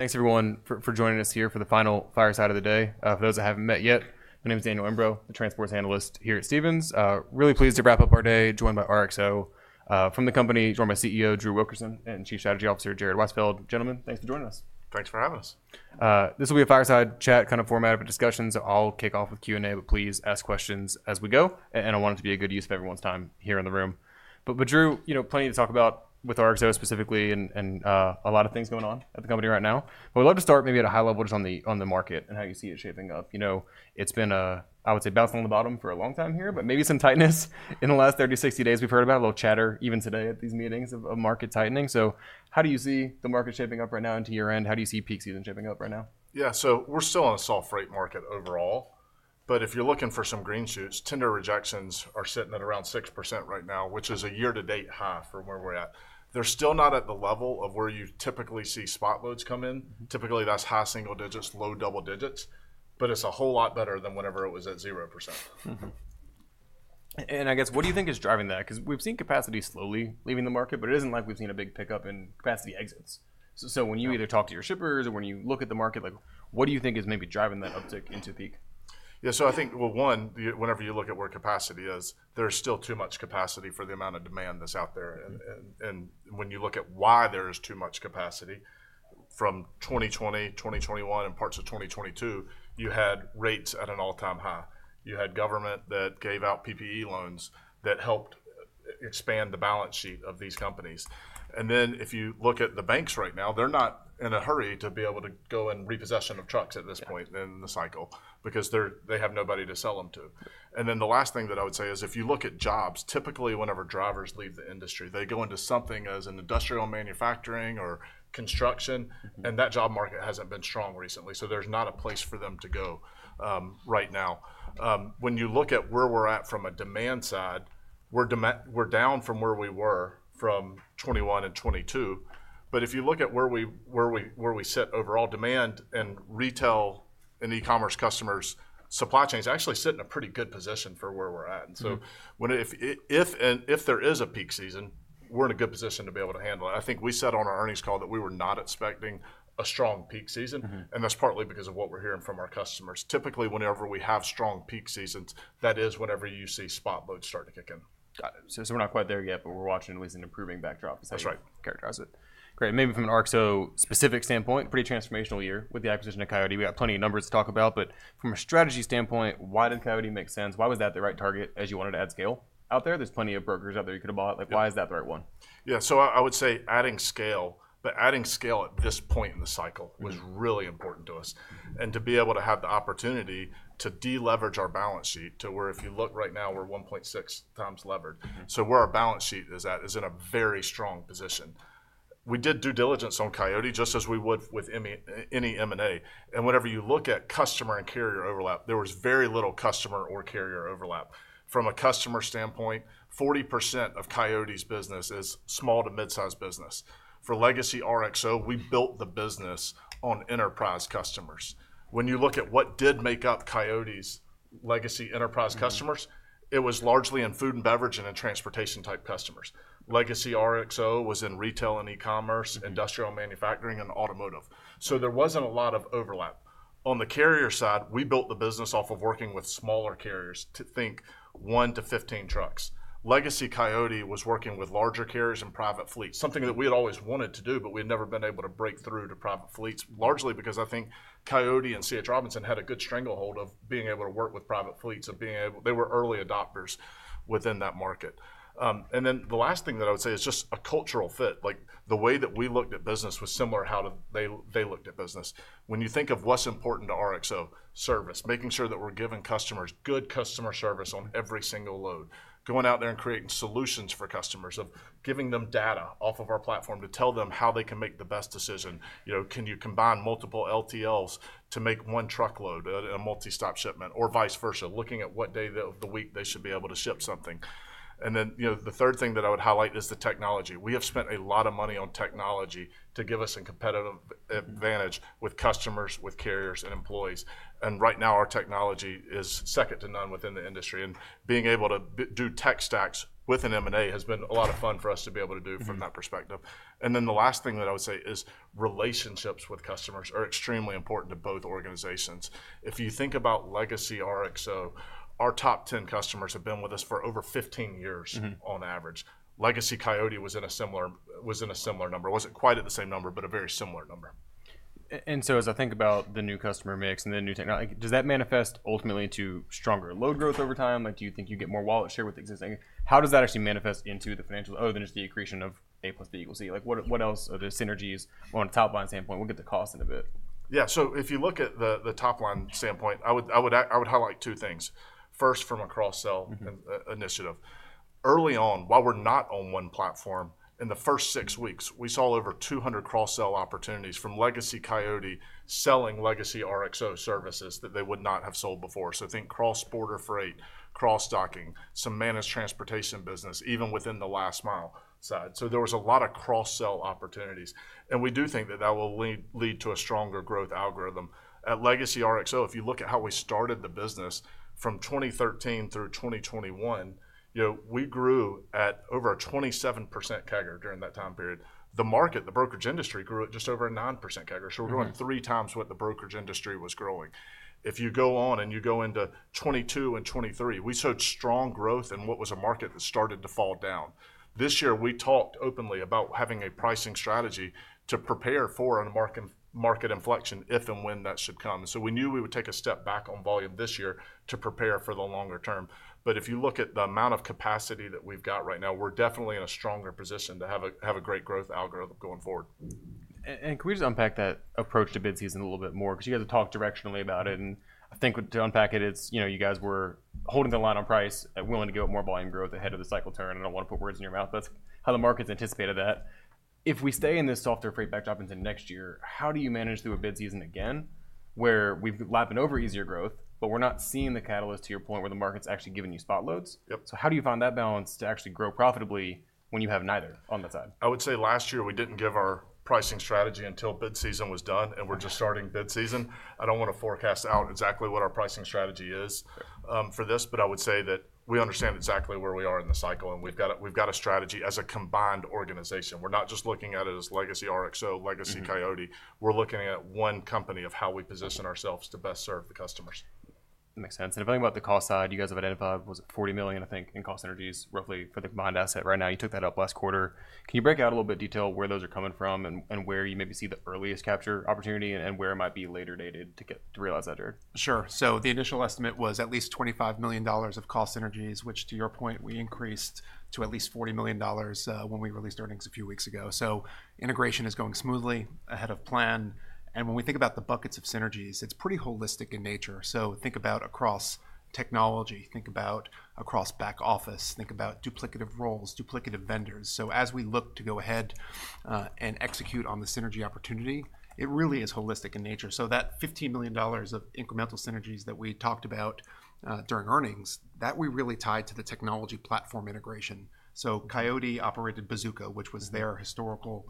Thanks, everyone, for joining us here for the final Fireside of the Day. For those that haven't met yet, my name is Daniel Imbro, the Transports Analyst here at Stephens. Really pleased to wrap up our day joined by RXO from the company, joined by CEO Drew Wilkerson and Chief Strategy Officer Jared Weisfeld. Gentlemen, thanks for joining us. Thanks for having us. This will be a Fireside chat kind of format of a discussion, so I'll kick off with Q&A, but please ask questions as we go, and I want it to be a good use of everyone's time here in the room, but Drew, you know, plenty to talk about with RXO specifically and a lot of things going on at the company right now, but we'd love to start maybe at a high level just on the market and how you see it shaping up. You know, it's been, I would say, bouncing on the bottom for a long time here, but maybe some tightness in the last 30, 60 days we've heard about, a little chatter even today at these meetings of market tightening. So how do you see the market shaping up right now into year-end? How do you see peak season shaping up right now? Yeah, so we're still on a soft freight market overall. But if you're looking for some green shoots, tender rejections are sitting at around 6% right now, which is a year-to-date high from where we're at. They're still not at the level of where you typically see spot loads come in. Typically, that's high single digits, low double digits. But it's a whole lot better than whenever it was at 0%. I guess, what do you think is driving that? Because we've seen capacity slowly leaving the market, but it isn't like we've seen a big pickup in capacity exits. So when you either talk to your shippers or when you look at the market, what do you think is maybe driving that uptick into peak? Yeah, so I think, well, one, whenever you look at where capacity is, there's still too much capacity for the amount of demand that's out there. And when you look at why there is too much capacity, from 2020, 2021, and parts of 2022, you had rates at an all-time high. You had government that gave out PPP loans that helped expand the balance sheet of these companies. And then if you look at the banks right now, they're not in a hurry to be able to go in repossession of trucks at this point in the cycle because they have nobody to sell them to. And then the last thing that I would say is if you look at jobs, typically whenever drivers leave the industry, they go into something as an industrial manufacturing or construction, and that job market hasn't been strong recently. There's not a place for them to go right now. When you look at where we're at from a demand side, we're down from where we were from 2021 and 2022. If you look at where we sit overall demand and retail and e-commerce customers, supply chains actually sit in a pretty good position for where we're at. If there is a peak season, we're in a good position to be able to handle it. I think we said on our earnings call that we were not expecting a strong peak season, and that's partly because of what we're hearing from our customers. Typically, whenever we have strong peak seasons, that is whenever you see spot loads start to kick in. Got it. So we're not quite there yet, but we're watching at least an improving backdrop, is how you characterize it. That's right. Great, and maybe from an RXO-specific standpoint, pretty transformational year with the acquisition of Coyote. We got plenty of numbers to talk about. But from a strategy standpoint, why didn't Coyote make sense? Why was that the right target as you wanted to add scale out there? There's plenty of brokers out there you could have bought. Why is that the right one? Yeah, so I would say adding scale, but adding scale at this point in the cycle was really important to us. And to be able to have the opportunity to deleverage our balance sheet to where if you look right now, we're 1.6 times levered. So where our balance sheet is at is in a very strong position. We did due diligence on Coyote just as we would with any M&A. And whenever you look at customer and carrier overlap, there was very little customer or carrier overlap. From a customer standpoint, 40% of Coyote's business is small to mid-sized business. For legacy RXO, we built the business on enterprise customers. When you look at what did make up Coyote's legacy enterprise customers, it was largely in food and beverage and in transportation-type customers. Legacy RXO was in retail and e-commerce, industrial manufacturing, and automotive. So there wasn't a lot of overlap. On the carrier side, we built the business off of working with smaller carriers, think one to 15 trucks. Legacy Coyote was working with larger carriers and private fleets, something that we had always wanted to do, but we had never been able to break through to private fleets, largely because I think Coyote and C.H. Robinson had a good stranglehold of being able to work with private fleets, of being able, they were early adopters within that market. And then the last thing that I would say is just a cultural fit. The way that we looked at business was similar to how they looked at business. When you think of what's important to RXO service, making sure that we're giving customers good customer service on every single load, going out there and creating solutions for customers, of giving them data off of our platform to tell them how they can make the best decision. Can you combine multiple LTLs to make one truckload at a multi-stop shipment, or vice versa, looking at what day of the week they should be able to ship something? And then the third thing that I would highlight is the technology. We have spent a lot of money on technology to give us a competitive advantage with customers, with carriers, and employees. And right now, our technology is second to none within the industry. And being able to do tech stacks with an M&A has been a lot of fun for us to be able to do from that perspective. And then the last thing that I would say is relationships with customers are extremely important to both organizations. If you think about legacy RXO, our top 10 customers have been with us for over 15 years on average. Legacy Coyote was in a similar number. It wasn't quite at the same number, but a very similar number. And so as I think about the new customer mix and the new technology, does that manifest ultimately to stronger load growth over time? Do you think you get more wallet share with existing? How does that actually manifest into the financial other than just the accretion of A plus B equals C? What else are the synergies on a top-line standpoint? We'll get to cost in a bit. Yeah, so if you look at the top-line standpoint, I would highlight two things. First, from a cross-sell initiative. Early on, while we're not on one platform, in the first six weeks, we saw over 200 cross-sell opportunities from legacy Coyote selling legacy RXO services that they would not have sold before. So think cross-border freight, cross-docking, some managed transportation business, even within the last-mile side. So there was a lot of cross-sell opportunities. And we do think that that will lead to a stronger growth algorithm. At legacy RXO, if you look at how we started the business from 2013 through 2021, we grew at over a 27% CAGR during that time period. The market, the brokerage industry, grew at just over a 9% CAGR. So we're growing three times what the brokerage industry was growing. If you go on and you go into 2022 and 2023, we showed strong growth in what was a market that started to fall down. This year, we talked openly about having a pricing strategy to prepare for a market inflection if and when that should come, and so we knew we would take a step back on volume this year to prepare for the longer term, but if you look at the amount of capacity that we've got right now, we're definitely in a stronger position to have a great growth algorithm going forward. Can we just unpack that approach to bid season a little bit more? Because you guys have talked directionally about it. I think to unpack it, you guys were holding the line on price and willing to go at more volume growth ahead of the cycle turn. I don't want to put words in your mouth. That's how the market's anticipated that. If we stay in this softer freight backdrop until next year, how do you manage through a bid season again where we've lapped over easier growth, but we're not seeing the catalyst to your point where the market's actually giving you spot loads? How do you find that balance to actually grow profitably when you have neither on that side? I would say last year we didn't give our pricing strategy until bid season was done, and we're just starting bid season. I don't want to forecast out exactly what our pricing strategy is for this, but I would say that we understand exactly where we are in the cycle, and we've got a strategy as a combined organization. We're not just looking at it as legacy RXO, legacy Coyote. We're looking at one company of how we position ourselves to best serve the customers. Makes sense. And if I think about the cost side, you guys have identified, was it $40 million, I think, in cost synergies roughly for the combined asset right now. You took that up last quarter. Can you break out a little bit detail where those are coming from and where you maybe see the earliest capture opportunity and where it might be later dated to realize that, Jared? Sure. So the initial estimate was at least $25 million of cost synergies, which to your point, we increased to at least $40 million when we released earnings a few weeks ago. So integration is going smoothly ahead of plan. And when we think about the buckets of synergies, it's pretty holistic in nature. So think about across technology, think about across back office, think about duplicative roles, duplicative vendors. So as we look to go ahead and execute on the synergy opportunity, it really is holistic in nature. So that $15 million of incremental synergies that we talked about during earnings, that we really tied to the technology platform integration. So Coyote operated Bazooka, which was their historical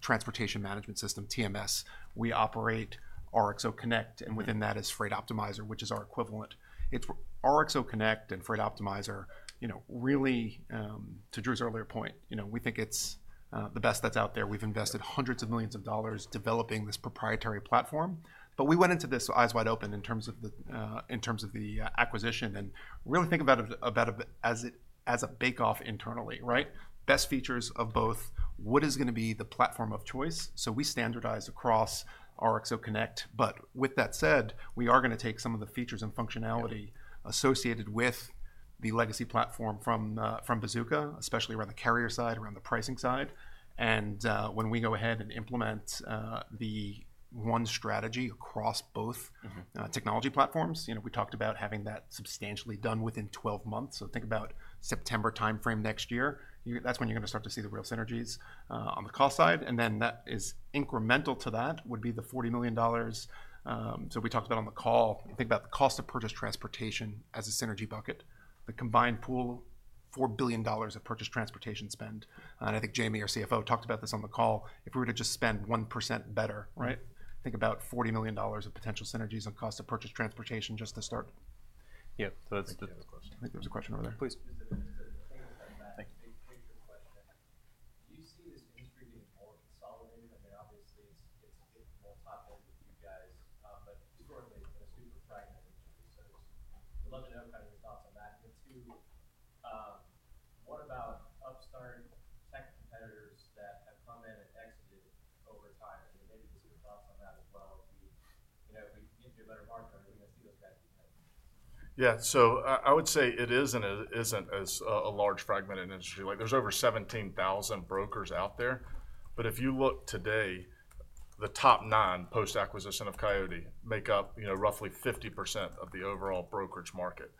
transportation management system, TMS. We operate RXO Connect, and within that is Freight Optimizer, which is our equivalent. It's RXO Connect and Freight Optimizer, really, to Drew's earlier point, we think it's the best that's out there. We've invested hundreds of millions of dollars developing this proprietary platform, but we went into this eyes wide open in terms of the acquisition and really think about it as a bake-off internally, right? Best features of both, what is going to be the platform of choice, so we standardize across RXO Connect, but with that said, we are going to take some of the features and functionality associated with the legacy platform from Bazooka, especially around the carrier side, around the pricing side, and when we go ahead and implement the one strategy across both technology platforms, we talked about having that substantially done within 12 months, so think about September timeframe next year. That's when you're going to start to see the real synergies on the cost side. And then that is incremental to that would be the $40 million. So we talked about on the call. Think about the cost of purchased transportation as a synergy bucket, the combined pool, $4 billion of purchased transportation spend. And I think Jamie, our CFO, talked about this on the call. If we were to just spend 1% better, think about $40 million of potential synergies on cost of purchased transportation just to start. Yeah, so that's the question. I think there was a question over there. Please. Thank you for coming back. Thank you. A quick question. Do you see this industry getting more consolidated? I mean, obviously, it's a bit more top-end with you guys, but historically, it's been a super fragmented industry. So we'd love to know kind of your thoughts on that. And two, what about upstart tech competitors that have come in and exited over time? And maybe just your thoughts on that as well. If we get into a better market, are we going to see those guys be coming? Yeah, so I would say it is a large fragmented industry. There's over 17,000 brokers out there. But if you look today, the top nine post-acquisition of Coyote make up roughly 50% of the overall brokerage market.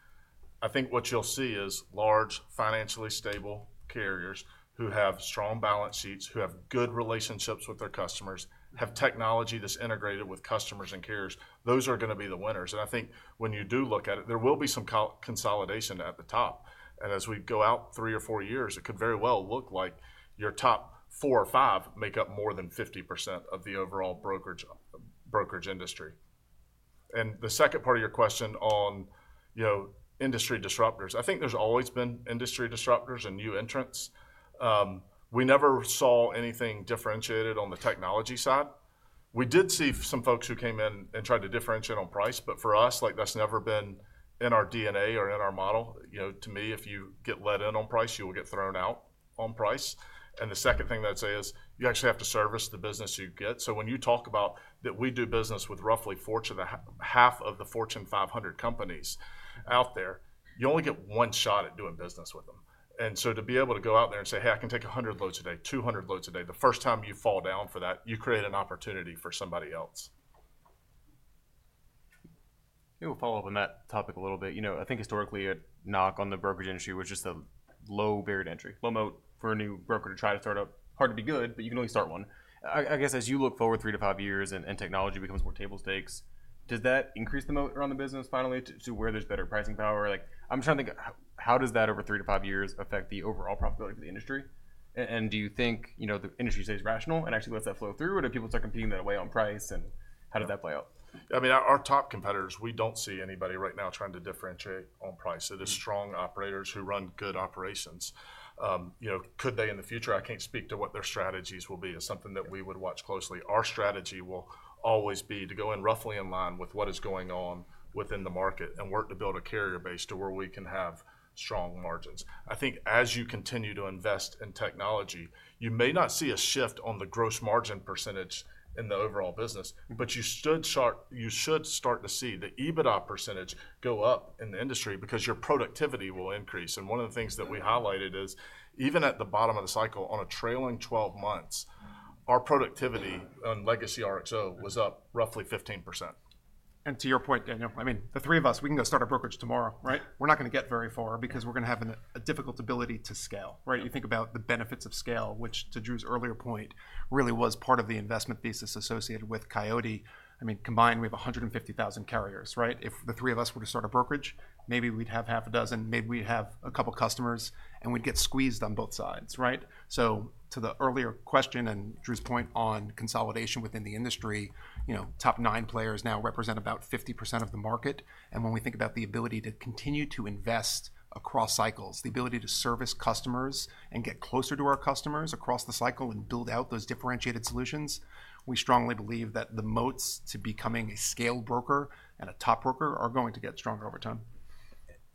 I think what you'll see is large, financially stable carriers who have strong balance sheets, who have good relationships with their customers, have technology that's integrated with customers and carriers. Those are going to be the winners. And I think when you do look at it, there will be some consolidation at the top. And as we go out three or four years, it could very well look like your top four or five make up more than 50% of the overall brokerage industry. And the second part of your question on industry disruptors, I think there's always been industry disruptors and new entrants. We never saw anything differentiated on the technology side. We did see some folks who came in and tried to differentiate on price, but for us, that's never been in our DNA or in our model. To me, if you get let in on price, you will get thrown out on price. And the second thing I'd say is you actually have to service the business you get. So when you talk about that, we do business with roughly half of the Fortune 500 companies out there, you only get one shot at doing business with them. And so to be able to go out there and say, "Hey, I can take 100 loads a day, 200 loads a day," the first time you fall down for that, you create an opportunity for somebody else. I think we'll follow up on that topic a little bit. I think historically, a knock on the brokerage industry was just a low-barrier to entry, low moat for a new broker to try to start up. Hard to be good, but you can at least start one. I guess as you look forward three to five years and technology becomes more table stakes, does that increase the moat around the business finally to where there's better pricing power? I'm trying to think how does that over three to five years affect the overall profitability of the industry? And do you think the industry stays rational and actually lets that flow through? Or do people start competing that way on price? And how does that play out? I mean, our top competitors, we don't see anybody right now trying to differentiate on price. It is strong operators who run good operations. Could they in the future? I can't speak to what their strategies will be. It's something that we would watch closely. Our strategy will always be to go in roughly in line with what is going on within the market and work to build a carrier base to where we can have strong margins. I think as you continue to invest in technology, you may not see a shift on the gross margin percentage in the overall business, but you should start to see the EBITDA percentage go up in the industry because your productivity will increase. One of the things that we highlighted is even at the bottom of the cycle, on a trailing 12 months, our productivity on legacy RXO was up roughly 15%. To your point, Daniel, I mean, the three of us, we can go start a brokerage tomorrow, right? We're not going to get very far because we're going to have a difficult ability to scale, right? You think about the benefits of scale, which to Drew's earlier point, really was part of the investment thesis associated with Coyote. I mean, combined, we have 150,000 carriers, right? If the three of us were to start a brokerage, maybe we'd have half a dozen, maybe we'd have a couple of customers, and we'd get squeezed on both sides, right? So to the earlier question and Drew's point on consolidation within the industry, top nine players now represent about 50% of the market. When we think about the ability to continue to invest across cycles, the ability to service customers and get closer to our customers across the cycle and build out those differentiated solutions, we strongly believe that the moats to becoming a scaled broker and a top broker are going to get stronger over time.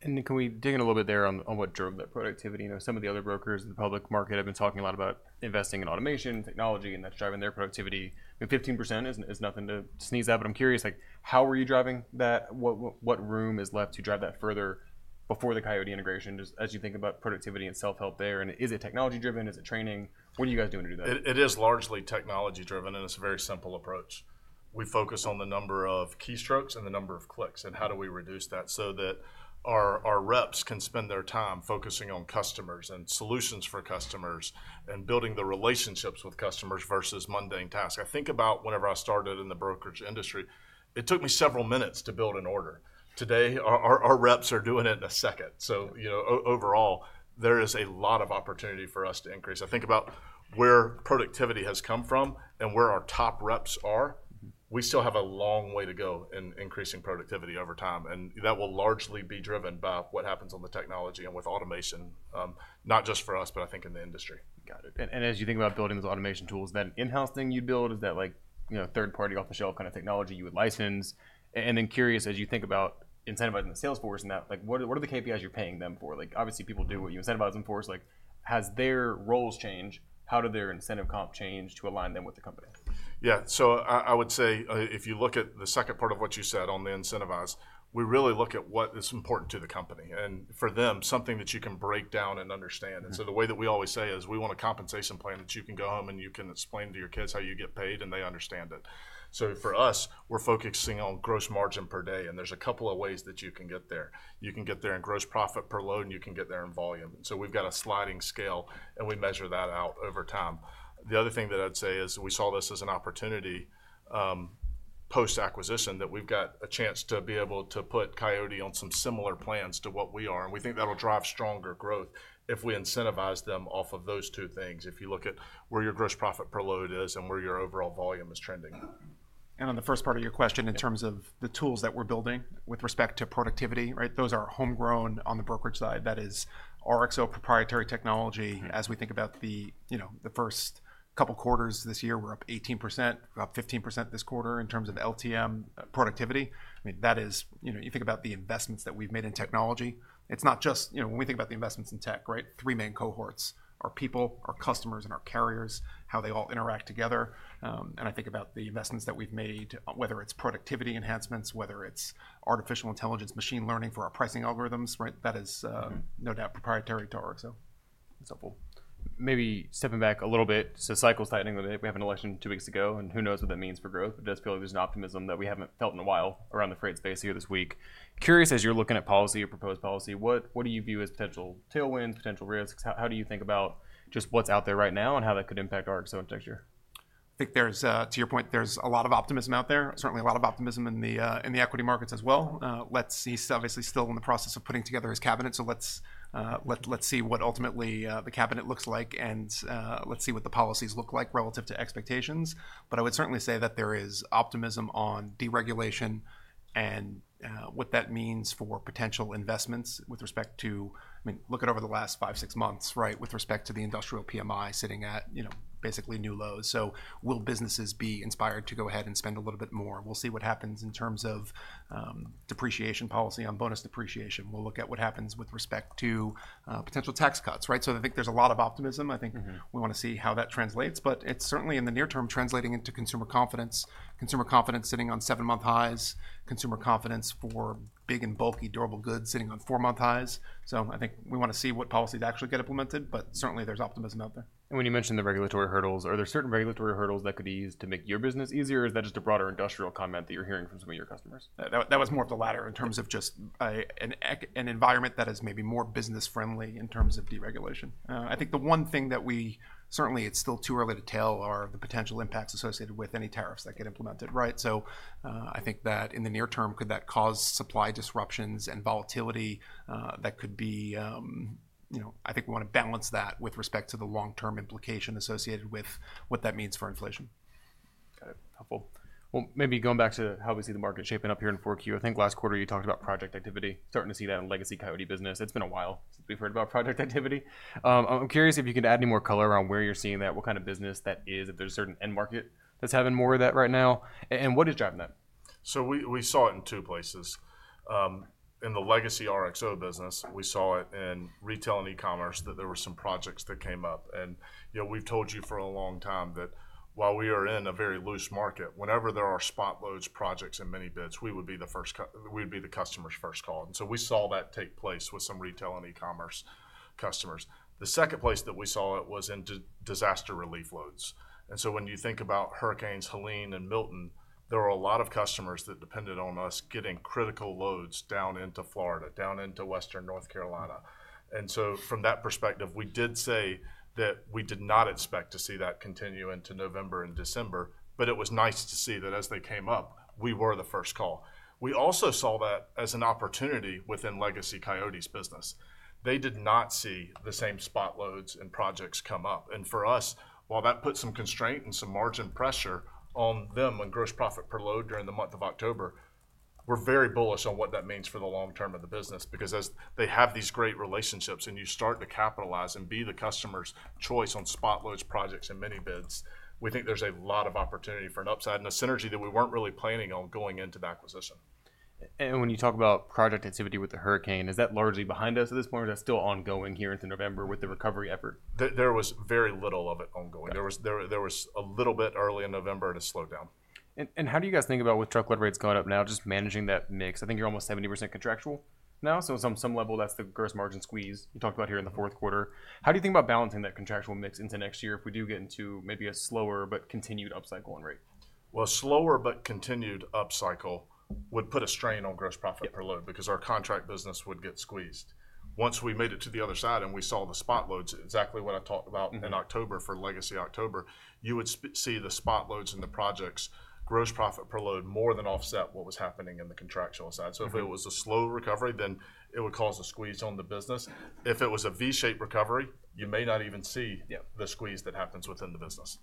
Can we dig in a little bit there on what drove that productivity? Some of the other brokers in the public market have been talking a lot about investing in automation, technology, and that's driving their productivity. 15% is nothing to sneeze at, but I'm curious, how are you driving that? What room is left to drive that further before the Coyote integration as you think about productivity and self-help there? And is it technology-driven? Is it training? What are you guys doing to do that? It is largely technology-driven, and it's a very simple approach. We focus on the number of keystrokes and the number of clicks and how do we reduce that so that our reps can spend their time focusing on customers and solutions for customers and building the relationships with customers versus mundane tasks. I think about whenever I started in the brokerage industry, it took me several minutes to build an order. Today, our reps are doing it in a second. So overall, there is a lot of opportunity for us to increase. I think about where productivity has come from and where our top reps are. We still have a long way to go in increasing productivity over time, and that will largely be driven by what happens on the technology and with automation, not just for us, but I think in the industry. Got it. And as you think about building those automation tools, then in-house thing you build, is that third-party off-the-shelf kind of technology you would license? And then curious, as you think about incentivizing the salesforce and that, what are the KPIs you're paying them for? Obviously, people do what you incentivize them for. Has their roles changed? How did their incentive comp change to align them with the company? Yeah. So I would say if you look at the second part of what you said on the incentives, we really look at what is important to the company and for them, something that you can break down and understand. And so the way that we always say is we want a compensation plan that you can go home and you can explain to your kids how you get paid and they understand it. So for us, we're focusing on gross margin per day. And there's a couple of ways that you can get there. You can get there in gross profit per load, and you can get there in volume. And so we've got a sliding scale, and we measure that out over time. The other thing that I'd say is we saw this as an opportunity post-acquisition that we've got a chance to be able to put Coyote on some similar plans to what we are, and we think that'll drive stronger growth if we incentivize them off of those two things, if you look at where your gross profit per load is and where your overall volume is trending. On the first part of your question in terms of the tools that we're building with respect to productivity, those are homegrown on the brokerage side. That is RXO proprietary technology. As we think about the first couple of quarters this year, we're up 18%, about 15% this quarter in terms of LTM productivity. I mean, you think about the investments that we've made in technology. It's not just when we think about the investments in tech, right? Three main cohorts are people, our customers, and our carriers, how they all interact together. I think about the investments that we've made, whether it's productivity enhancements, whether it's artificial intelligence, machine learning for our pricing algorithms, that is no doubt proprietary to RXO. Maybe stepping back a little bit. So cycle's tightening a bit. We have an election two weeks ago, and who knows what that means for growth? It does feel like there's an optimism that we haven't felt in a while around the freight space here this week. Curious, as you're looking at policy or proposed policy, what do you view as potential tailwinds, potential risks? How do you think about just what's out there right now and how that could impact RXO in the next year? I think to your point, there's a lot of optimism out there, certainly a lot of optimism in the equity markets as well. Let's see. He's obviously still in the process of putting together his cabinet. So let's see what ultimately the cabinet looks like, and let's see what the policies look like relative to expectations. But I would certainly say that there is optimism on deregulation and what that means for potential investments with respect to, I mean, look at over the last five, six months, right, with respect to the industrial PMI sitting at basically new lows. So will businesses be inspired to go ahead and spend a little bit more? We'll see what happens in terms of depreciation policy on bonus depreciation. We'll look at what happens with respect to potential tax cuts. So I think there's a lot of optimism. I think we want to see how that translates, but it's certainly in the near term translating into consumer confidence, consumer confidence sitting on seven-month highs, consumer confidence for big and bulky durable goods sitting on four-month highs, so I think we want to see what policies actually get implemented, but certainly there's optimism out there. When you mentioned the regulatory hurdles, are there certain regulatory hurdles that could be used to make your business easier, or is that just a broader industrial comment that you're hearing from some of your customers? That was more of the latter in terms of just an environment that is maybe more business-friendly in terms of deregulation. I think the one thing that we certainly, it's still too early to tell are the potential impacts associated with any tariffs that get implemented, right? So I think that in the near term, could that cause supply disruptions and volatility that could be? I think we want to balance that with respect to the long-term implication associated with what that means for inflation. Got it. Helpful. Well, maybe going back to how we see the market shaping up here in 4Q, I think last quarter you talked about project activity, starting to see that in legacy Coyote business. It's been a while since we've heard about project activity. I'm curious if you could add any more color around where you're seeing that, what kind of business that is, if there's a certain end market that's having more of that right now, and what is driving that? So we saw it in two places. In the legacy RXO business, we saw it in retail and e-commerce that there were some projects that came up. And we've told you for a long time that while we are in a very loose market, whenever there are spot loads projects in mini-bids, we would be the customer's first call. And so we saw that take place with some retail and e-commerce customers. The second place that we saw it was in disaster relief loads. And so when you think about Hurricanes Helene and Milton, there were a lot of customers that depended on us getting critical loads down into Florida, down into Western North Carolina. And so from that perspective, we did say that we did not expect to see that continue into November and December, but it was nice to see that as they came up, we were the first call. We also saw that as an opportunity within legacy Coyote's business. They did not see the same spot loads and projects come up, and for us, while that put some constraint and some margin pressure on them on gross profit per load during the month of October, we're very bullish on what that means for the long term of the business because as they have these great relationships and you start to capitalize and be the customer's choice on spot loads projects in mini-bids, we think there's a lot of opportunity for an upside and a synergy that we weren't really planning on going into the acquisition. When you talk about project activity with the hurricane, is that largely behind us at this point? Is that still ongoing here into November with the recovery effort? There was very little of it ongoing. There was a little bit early in November and a slowdown. And how do you guys think about with truckload rates going up now, just managing that mix? I think you're almost 70% contractual now. So on some level, that's the gross margin squeeze you talked about here in the fourth quarter. How do you think about balancing that contractual mix into next year if we do get into maybe a slower but continued upcycle in rate? Slower but continued upcycle would put a strain on gross profit per load because our contract business would get squeezed. Once we made it to the other side and we saw the spot loads, exactly what I talked about in October for legacy Coyote, you would see the spot loads and the projects gross profit per load more than offset what was happening in the contractual side. So if it was a slow recovery, then it would cause a squeeze on the business. If it was a V-shaped recovery, you may not even see the squeeze that happens within the business.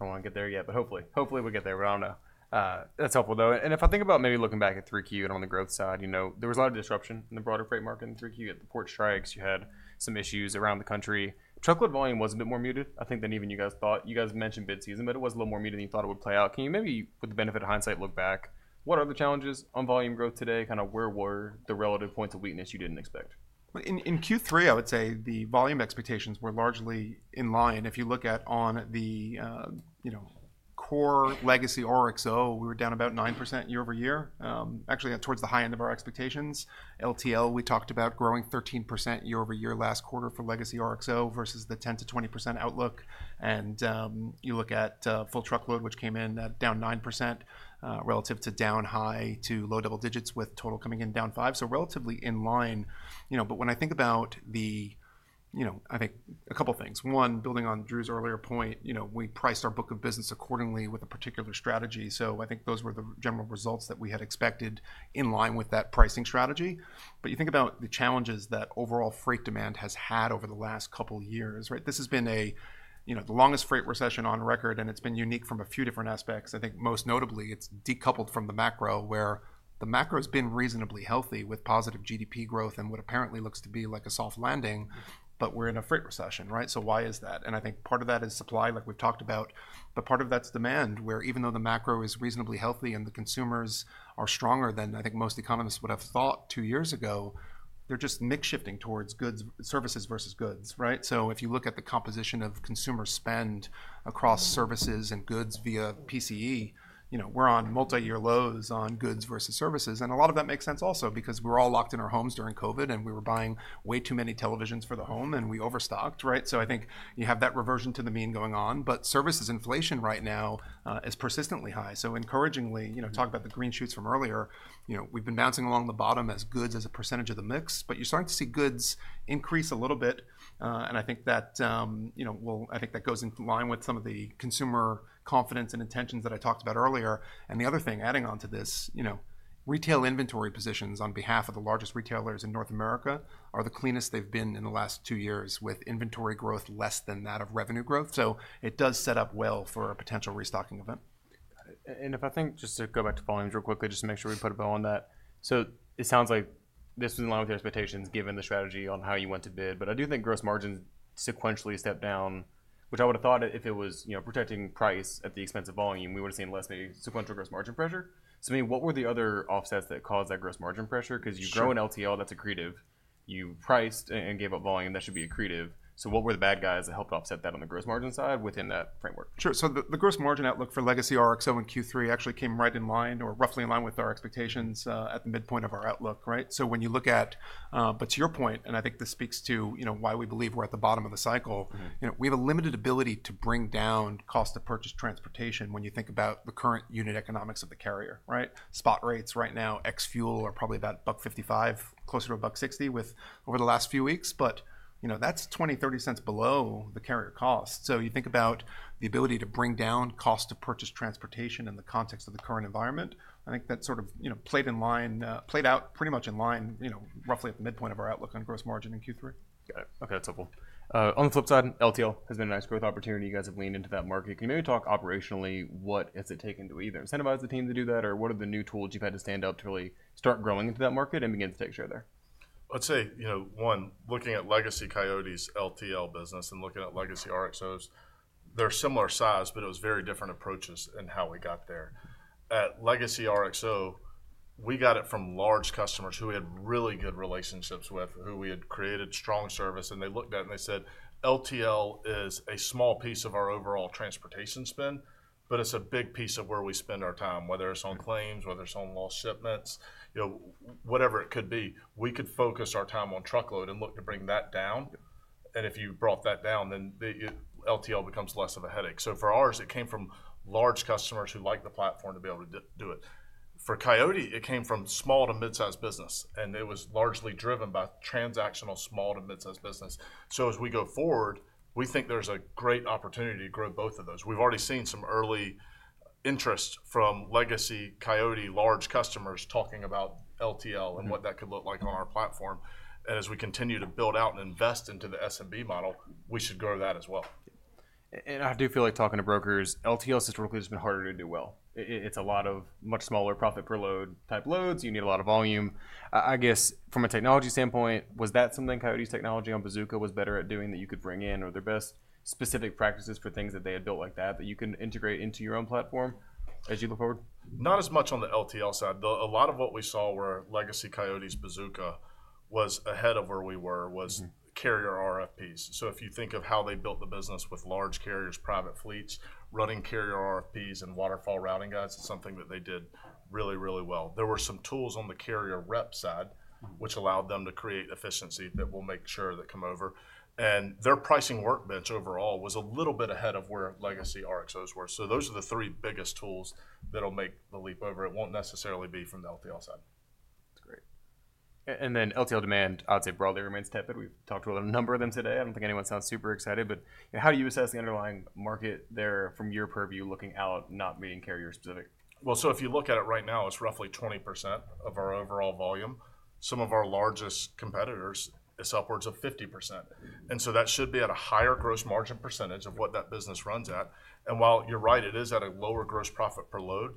I won't get there yet, but hopefully we'll get there. We don't know. That's helpful, though. And if I think about maybe looking back at 3Q and on the growth side, there was a lot of disruption in the broader freight market in 3Q. At the port strikes, you had some issues around the country. Truckload volume was a bit more muted, I think, than even you guys thought. You guys mentioned bid season, but it was a little more muted than you thought it would play out. Can you maybe, with the benefit of hindsight, look back? What are the challenges on volume growth today? Kind of where were the relative points of weakness you didn't expect? In Q3, I would say the volume expectations were largely in line. If you look at on the core legacy RXO, we were down about 9% year over year, actually towards the high end of our expectations. LTL, we talked about growing 13% year over year last quarter for legacy RXO versus the 10%-20% outlook. And you look at full truckload, which came in at down 9% relative to down high- to low-double-digits with total coming in down 5%. So relatively in line. But when I think about the, I think, a couple of things. One, building on Drew's earlier point, we priced our book of business accordingly with a particular strategy. So I think those were the general results that we had expected in line with that pricing strategy. But you think about the challenges that overall freight demand has had over the last couple of years, right? This has been the longest freight recession on record, and it's been unique from a few different aspects. I think most notably, it's decoupled from the macro where the macro has been reasonably healthy with positive GDP growth and what apparently looks to be like a soft landing, but we're in a freight recession, right? So why is that? And I think part of that is supply, like we've talked about, but part of that's demand where even though the macro is reasonably healthy and the consumers are stronger than I think most economists would have thought two years ago, they're just mix-shifting towards services versus goods, right? So if you look at the composition of consumer spend across services and goods via PCE, we're on multi-year lows on goods versus services. And a lot of that makes sense also because we're all locked in our homes during COVID and we were buying way too many televisions for the home and we overstocked, right? So I think you have that reversion to the mean going on, but services inflation right now is persistently high. So encouragingly, talk about the green shoots from earlier, we've been bouncing along the bottom as goods as a percentage of the mix, but you're starting to see goods increase a little bit. And I think that will, I think that goes in line with some of the consumer confidence and intentions that I talked about earlier. And the other thing adding on to this, retail inventory positions on behalf of the largest retailers in North America are the cleanest they've been in the last two years with inventory growth less than that of revenue growth. So it does set up well for a potential restocking event. And if I think just to go back to volumes real quickly, just to make sure we put a bow on that. So it sounds like this was in line with your expectations given the strategy on how you went to bid, but I do think gross margins sequentially stepped down, which I would have thought if it was protecting price at the expense of volume, we would have seen less maybe sequential gross margin pressure. So maybe what were the other offsets that caused that gross margin pressure? Because you grow in LTL, that's accretive. You priced and gave up volume. That should be accretive. So what were the bad guys that helped offset that on the gross margin side within that framework? Sure. So the gross margin outlook for legacy RXO in Q3 actually came right in line or roughly in line with our expectations at the midpoint of our outlook, right? So when you look at, but to your point, and I think this speaks to why we believe we're at the bottom of the cycle, we have a limited ability to bring down cost of purchased transportation when you think about the current unit economics of the carrier, right? Spot rates right now ex fuel are probably about $1.55, closer to $1.60 with fuel over the last few weeks, but that's 20-30 cents below the carrier cost. So you think about the ability to bring down cost of purchased transportation in the context of the current environment. I think that sort of played in line, played out pretty much in line, roughly at the midpoint of our outlook on gross margin in Q3. Got it. Okay. That's helpful. On the flip side, LTL has been a nice growth opportunity. You guys have leaned into that market. Can you maybe talk operationally? What has it taken to either incentivize the team to do that, or what are the new tools you've had to stand out to really start growing into that market and begin to take share there? I'd say one, looking at legacy Coyote's LTL business and looking at legacy RXO's, they're similar size, but it was very different approaches in how we got there. At legacy RXO, we got it from large customers who we had really good relationships with, who we had created strong service, and they looked at it and they said, "LTL is a small piece of our overall transportation spend, but it's a big piece of where we spend our time, whether it's on claims, whether it's on lost shipments, whatever it could be. We could focus our time on truckload and look to bring that down. And if you brought that down, then LTL becomes less of a headache." So for ours, it came from large customers who like the platform to be able to do it. For Coyote, it came from small to mid-sized business, and it was largely driven by transactional small to mid-sized business. So as we go forward, we think there's a great opportunity to grow both of those. We've already seen some early interest from legacy Coyote large customers talking about LTL and what that could look like on our platform. And as we continue to build out and invest into the SMB model, we should grow that as well. I do feel like talking to brokers, LTL has historically just been harder to do well. It's a lot of much smaller profit per load type loads. You need a lot of volume. I guess from a technology standpoint, was that something Coyote's technology on Bazooka was better at doing that you could bring in or their best specific practices for things that they had built like that that you can integrate into your own platform as you look forward? Not as much on the LTL side. A lot of what we saw where legacy Coyote's Bazooka was ahead of where we were was carrier RFPs. So if you think of how they built the business with large carriers, private fleets, running carrier RFPs and waterfall routing guides, it's something that they did really, really well. There were some tools on the carrier rep side, which allowed them to create efficiency that will make sure that come over, and their pricing workbench overall was a little bit ahead of where legacy RXO's were, so those are the three biggest tools that'll make the leap over. It won't necessarily be from the LTL side. That's great. And then LTL demand, I'd say broadly remains tepid. We've talked with a number of them today. I don't think anyone sounds super excited, but how do you assess the underlying market there from your purview looking out, not being carrier specific? So if you look at it right now, it's roughly 20% of our overall volume. Some of our largest competitors is upwards of 50%. And so that should be at a higher gross margin percentage of what that business runs at. And while you're right, it is at a lower gross profit per load,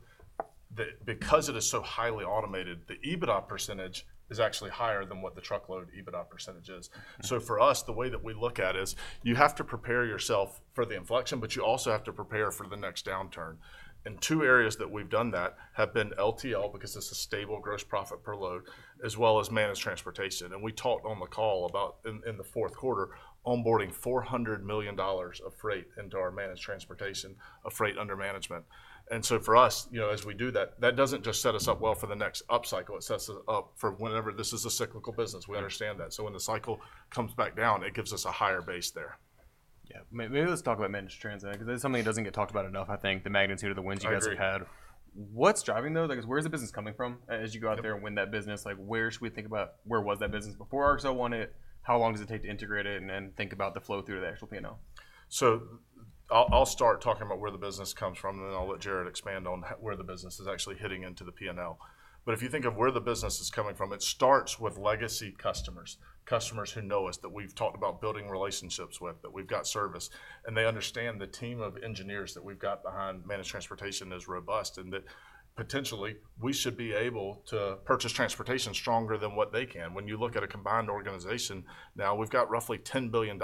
because it is so highly automated, the EBITDA percentage is actually higher than what the truckload EBITDA percentage is. So for us, the way that we look at is you have to prepare yourself for the inflection, but you also have to prepare for the next downturn. And two areas that we've done that have been LTL because it's a stable gross profit per load, as well as managed transportation. And we talked on the call about in the fourth quarter, onboarding $400 million of freight into our managed transportation of freight under management. So for us, as we do that, that doesn't just set us up well for the next upcycle. It sets us up for whenever this is a cyclical business. We understand that. When the cycle comes back down, it gives us a higher base there. Yeah. Maybe let's talk about managed transportation because it's something that doesn't get talked about enough, I think, the magnitude of the wins you guys have had. What's driving those? Where is the business coming from as you go out there and win that business? Where should we think about where was that business before RXO won it? How long does it take to integrate it and then think about the flow through to the actual P&L? So I'll start talking about where the business comes from, and then I'll let Jared expand on where the business is actually hitting into the P&L. But if you think of where the business is coming from, it starts with legacy customers, customers who know us, that we've talked about building relationships with, that we've got service, and they understand the team of engineers that we've got behind managed transportation is robust and that potentially we should be able to purchased transportation stronger than what they can. When you look at a combined organization, now we've got roughly $10 billion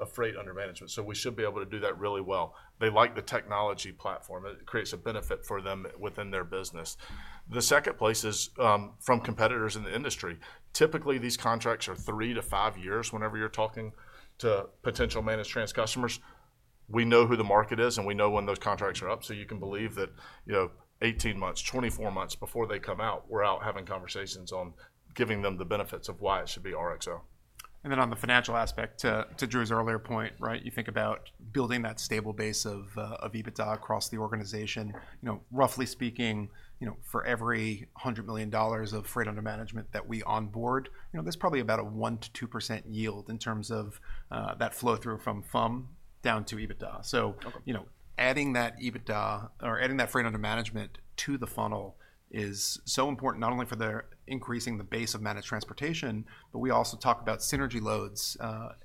of freight under management. So we should be able to do that really well. They like the technology platform. It creates a benefit for them within their business. The second place is from competitors in the industry. Typically, these contracts are three to five years whenever you're talking to potential managed transportation customers. We know who the market is and we know when those contracts are up. So you can believe that 18 months, 24 months before they come out, we're out having conversations on giving them the benefits of why it should be RXO. Then on the financial aspect, to Drew's earlier point, right, you think about building that stable base of EBITDA across the organization. Roughly speaking, for every $100 million of freight under management that we onboard, there's probably about a 1%-2% yield in terms of that flow through from FUM down to EBITDA. So adding that EBITDA or adding that freight under management to the funnel is so important not only for increasing the base of managed transportation, but we also talk about synergy loads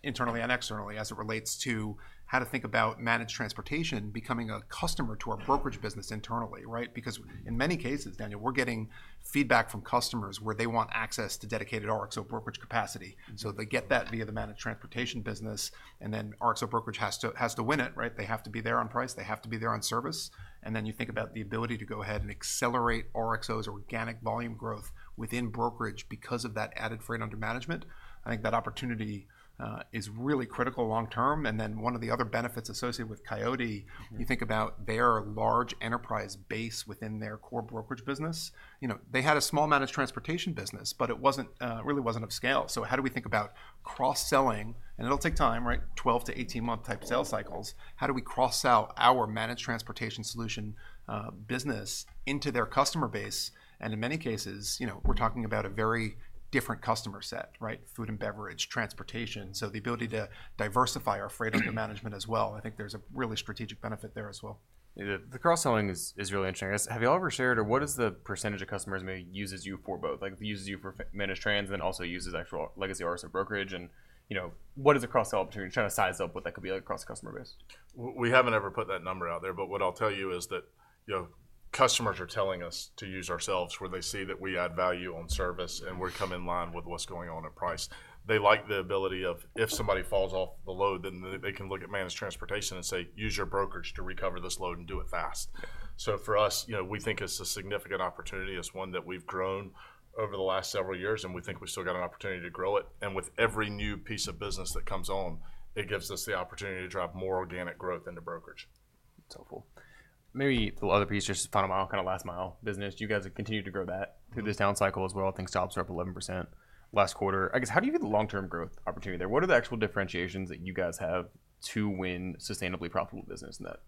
internally and externally as it relates to how to think about managed transportation becoming a customer to our brokerage business internally, right? Because in many cases, Daniel, we're getting feedback from customers where they want access to dedicated RXO brokerage capacity. So they get that via the managed transportation business, and then RXO brokerage has to win it, right? They have to be there on price. They have to be there on service. And then you think about the ability to go ahead and accelerate RXO's organic volume growth within brokerage because of that added freight under management. I think that opportunity is really critical long term. And then one of the other benefits associated with Coyote, you think about their large enterprise base within their core brokerage business. They had a small managed transportation business, but it really wasn't of scale. So how do we think about cross-selling, and it'll take time, right? 12-18-month type sales cycles. How do we cross-sell our managed transportation solution business into their customer base? And in many cases, we're talking about a very different customer set, right? Food and beverage, transportation. So the ability to diversify our freight under management as well. I think there's a really strategic benefit there as well. The cross-selling is really interesting. Have you all ever shared or what is the percentage of customers maybe uses you for both? Like uses you for managed trans and then also uses actual legacy RXO brokerage. And what is the cross-sell opportunity? Trying to size up what that could be like across the customer base. We haven't ever put that number out there, but what I'll tell you is that customers are telling us to use ourselves where they see that we add value on service and we come in line with what's going on at price. They like the ability of if somebody falls off the load, then they can look at managed transportation and say, "Use your brokerage to recover this load and do it fast." So for us, we think it's a significant opportunity. It's one that we've grown over the last several years, and we think we've still got an opportunity to grow it, and with every new piece of business that comes on, it gives us the opportunity to drive more organic growth into brokerage. That's helpful. Maybe the other piece is just final mile, kind of last mile business. You guys have continued to grow that through this down cycle as well. I think stops are up 11% last quarter. I guess how do you get the long-term growth opportunity there? What are the actual differentiations that you guys have to win sustainably profitable business in that?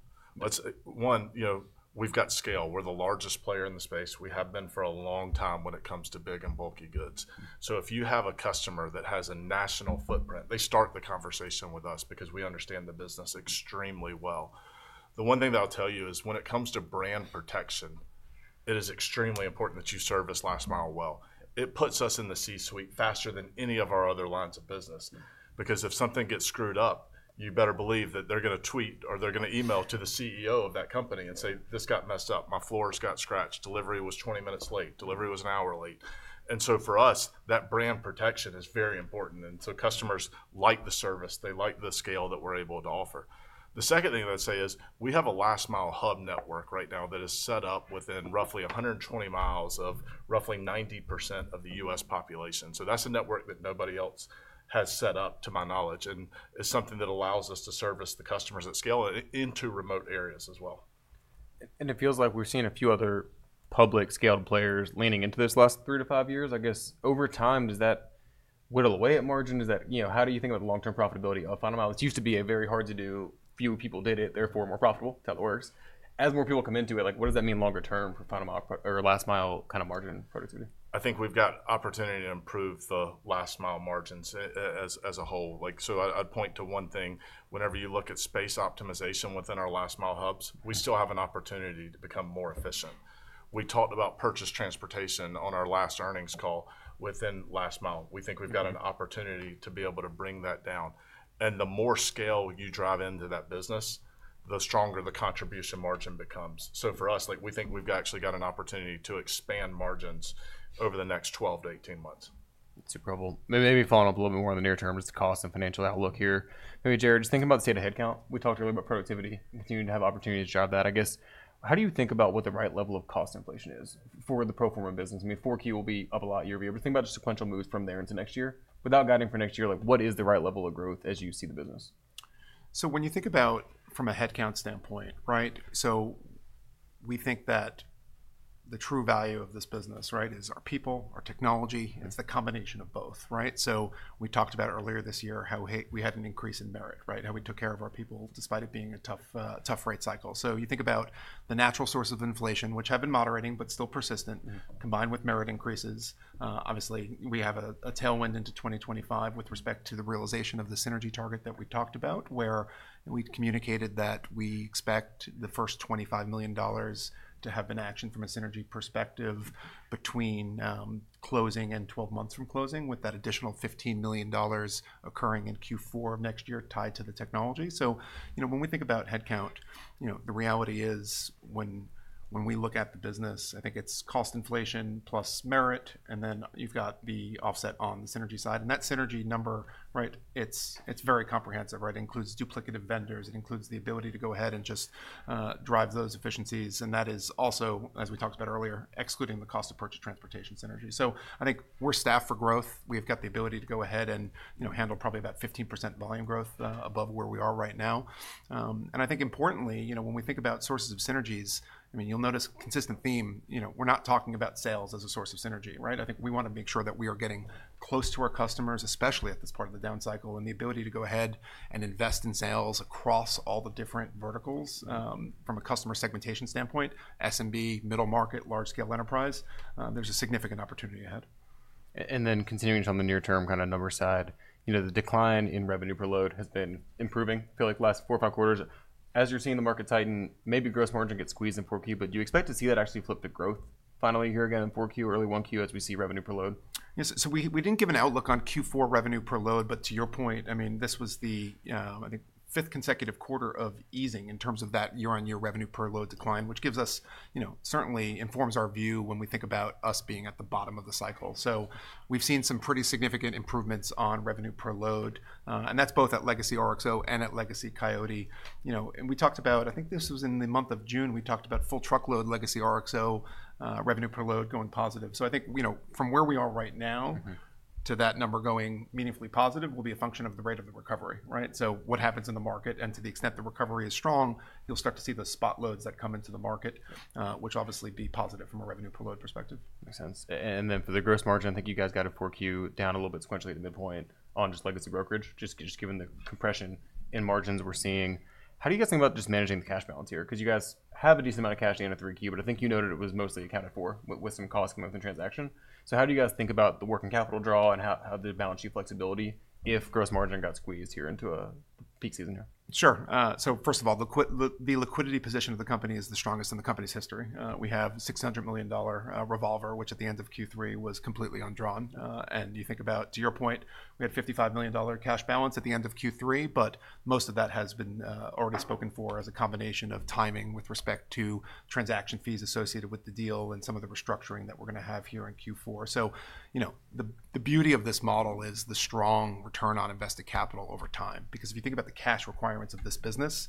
One, we've got scale. We're the largest player in the space. We have been for a long time when it comes to big and bulky goods. So if you have a customer that has a national footprint, they start the conversation with us because we understand the business extremely well. The one thing that I'll tell you is when it comes to brand protection, it is extremely important that you service last mile well. It puts us in the C-suite faster than any of our other lines of business. Because if something gets screwed up, you better believe that they're going to tweet or they're going to email to the CEO of that company and say, "This got messed up. My floor's got scratched. Delivery was 20 minutes late. Delivery was an hour late." And so for us, that brand protection is very important. And so customers like the service. They like the scale that we're able to offer. The second thing I'd say is we have a last mile hub network right now that is set up within roughly 120 miles of roughly 90% of the U.S. population. So that's a network that nobody else has set up to my knowledge and is something that allows us to service the customers at scale into remote areas as well. It feels like we've seen a few other public scaled players leaning into this last three to five years. I guess over time, does that whittle away at margin? How do you think about the long-term profitability of last mile? It used to be very hard to do. Few people did it. Therefore, more profitable. As more people come into it, what does that mean longer term for last mile or last mile kind of margin productivity? I think we've got opportunity to improve the last mile margins as a whole. So I'd point to one thing. Whenever you look at space optimization within our last mile hubs, we still have an opportunity to become more efficient. We talked about purchased transportation on our last earnings call within last mile. We think we've got an opportunity to be able to bring that down. And the more scale you drive into that business, the stronger the contribution margin becomes. So for us, we think we've actually got an opportunity to expand margins over the next 12-18 months. That's super helpful. Maybe following up a little bit more on the near term is the cost and financial outlook here. Maybe Jared, just thinking about the state of headcount. We talked earlier about productivity. Continuing to have opportunities to drive that. I guess how do you think about what the right level of cost inflation is for the pro forma business? I mean, 4Q will be up a lot. You'll be able to think about a sequential move from there into next year. Without guiding for next year, what is the right level of growth as you see the business? So when you think about from a headcount standpoint, right, so we think that the true value of this business, right, is our people, our technology. It's the combination of both, right? So we talked about earlier this year how we had an increase in merit, right? How we took care of our people despite it being a tough rate cycle. So you think about the natural source of inflation, which had been moderating but still persistent, combined with merit increases. Obviously, we have a tailwind into 2025 with respect to the realization of the synergy target that we talked about, where we communicated that we expect the first $25 million to have an action from a synergy perspective between closing and 12 months from closing, with that additional $15 million occurring in Q4 of next year tied to the technology. So when we think about headcount, the reality is when we look at the business, I think it's cost inflation plus merit, and then you've got the offset on the synergy side. And that synergy number, right, it's very comprehensive, right? It includes duplicative vendors. It includes the ability to go ahead and just drive those efficiencies. And that is also, as we talked about earlier, excluding the cost of purchased transportation synergy. So I think we're staffed for growth. We've got the ability to go ahead and handle probably about 15% volume growth above where we are right now. And I think importantly, when we think about sources of synergies, I mean, you'll notice a consistent theme. We're not talking about sales as a source of synergy, right? I think we want to make sure that we are getting close to our customers, especially at this part of the down cycle, and the ability to go ahead and invest in sales across all the different verticals from a customer segmentation standpoint, SMB, middle market, large scale enterprise. There's a significant opportunity ahead. Then continuing from the near-term kind of number side, the decline in revenue per load has been improving for the last four, five quarters. As you're seeing the market tighten, maybe gross margin gets squeezed in 4Q, but do you expect to see that actually flip the growth finally here again in 4Q, early 1Q as we see revenue per load? Yes. So we didn't give an outlook on Q4 revenue per load, but to your point, I mean, this was the, I think, fifth consecutive quarter of easing in terms of that year-on-year revenue per load decline, which gives us certainly informs our view when we think about us being at the bottom of the cycle. So we've seen some pretty significant improvements on revenue per load. And that's both at legacy RXO and at legacy Coyote. And we talked about, I think this was in the month of June, we talked about full truckload legacy RXO revenue per load going positive. So I think from where we are right now to that number going meaningfully positive will be a function of the rate of the recovery, right? So, what happens in the market and to the extent the recovery is strong, you'll start to see the spot loads that come into the market, which obviously be positive from a revenue per load perspective. Makes sense. And then for the gross margin, I think you guys got a 4Q down a little bit sequentially at the midpoint on just legacy brokerage, just given the compression in margins we're seeing. How do you guys think about just managing the cash balance here? Because you guys have a decent amount of cash in at 3Q, but I think you noted it was mostly accounted for with some cost coming up in transaction. So how do you guys think about the working capital draw and how the balance sheet flexibility if gross margin got squeezed here into a peak season here? Sure. So first of all, the liquidity position of the company is the strongest in the company's history. We have $600 million revolver, which at the end of Q3 was completely undrawn, and you think about, to your point, we had $55 million cash balance at the end of Q3, but most of that has been already spoken for as a combination of timing with respect to transaction fees associated with the deal and some of the restructuring that we're going to have here in Q4, so the beauty of this model is the strong return on invested capital over time, because if you think about the cash requirements of this business,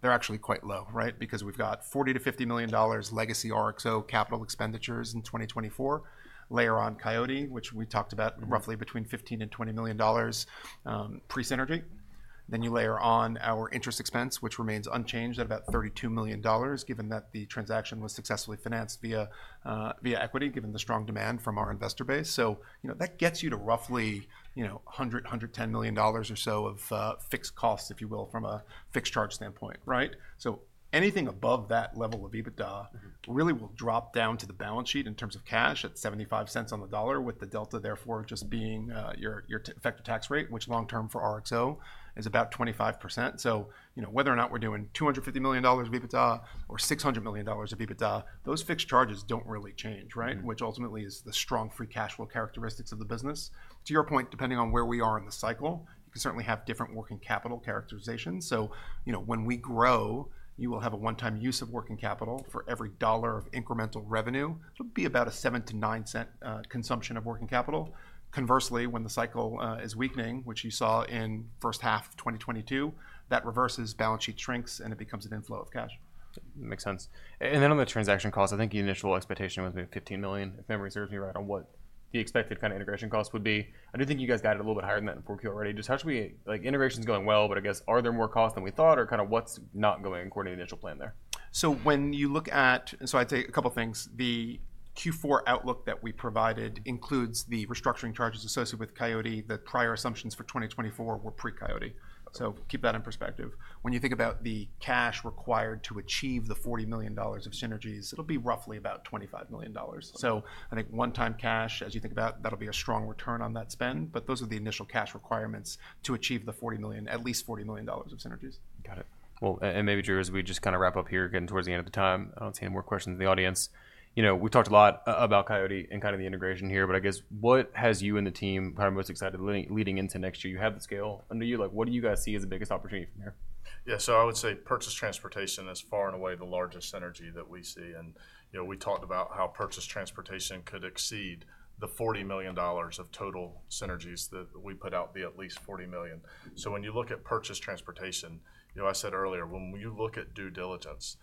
they're actually quite low, right? Because we've got $40-$50 million legacy RXO capital expenditures in 2024. Layer on Coyote, which we talked about roughly between $15 and $20 million pre-synergy. Then you layer on our interest expense, which remains unchanged at about $32 million, given that the transaction was successfully financed via equity, given the strong demand from our investor base. So that gets you to roughly $100-$110 million or so of fixed costs, if you will, from a fixed charge standpoint, right? So anything above that level of EBITDA really will drop down to the balance sheet in terms of cash at $0.75 on the dollar, with the delta therefore just being your effective tax rate, which long term for RXO is about 25%. So whether or not we're doing $250 million of EBITDA or $600 million of EBITDA, those fixed charges don't really change, right? Which ultimately is the strong free cash flow characteristics of the business. To your point, depending on where we are in the cycle, you can certainly have different working capital characterizations. When we grow, you will have a one-time use of working capital for every dollar of incremental revenue. It'll be about a $0.07-$0.09 consumption of working capital. Conversely, when the cycle is weakening, which you saw in first half 2022, that reverses balance sheet shrinks and it becomes an inflow of cash. Makes sense. Then on the transaction costs, I think the initial expectation was maybe $15 million, if memory serves me right, on what the expected kind of integration cost would be. I do think you guys got it a little bit higher than that in 4Q already. Just how's the integration going well, but I guess are there more costs than we thought or kind of what's not going according to the initial plan there? I'd say a couple of things. The Q4 outlook that we provided includes the restructuring charges associated with Coyote. The prior assumptions for 2024 were pre-Coyote. Keep that in perspective. When you think about the cash required to achieve the $40 million of synergies, it'll be roughly about $25 million. I think one-time cash, as you think about, that'll be a strong return on that spend. Those are the initial cash requirements to achieve the $40 million, at least $40 million of synergies. Got it, well, and maybe Drew, as we just kind of wrap up here, getting towards the end of the time, I don't see any more questions in the audience. We've talked a lot about Coyote and kind of the integration here, but I guess what has you and the team kind of most excited leading into next year? You have the scale under you. What do you guys see as the biggest opportunity from here? Yeah, so I would say purchased transportation is far and away the largest synergy that we see. And we talked about how purchased transportation could exceed the $40 million of total synergies that we put out to be at least $40 million. So when you look at purchased transportation, I said earlier, when you look at due diligence,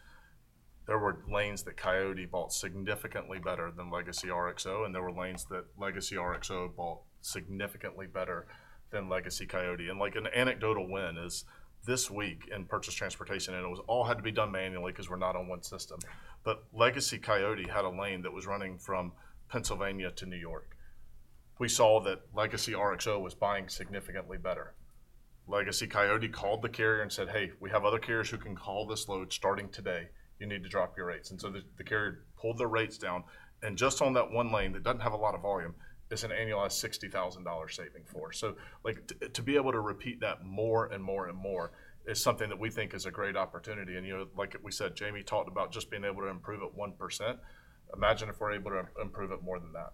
there were lanes that Coyote bought significantly better than legacy RXO, and there were lanes that legacy RXO bought significantly better than legacy Coyote. And like an anecdotal win is this week in purchased transportation, and it all had to be done manually because we're not on one system. But legacy Coyote had a lane that was running from Pennsylvania to New York. We saw that legacy RXO was buying significantly better. Legacy Coyote called the carrier and said, "Hey, we have other carriers who can haul this load starting today. You need to drop your rates." And so the carrier pulled the rates down. And just on that one lane that doesn't have a lot of volume, it's an annualized $60,000 saving for us. So to be able to repeat that more and more and more is something that we think is a great opportunity. And like we said, Jamie talked about just being able to improve it 1%. Imagine if we're able to improve it more than that.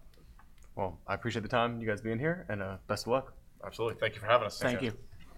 I appreciate the time, you guys being here, and best of luck. Absolutely. Thank you for having us. Thank you.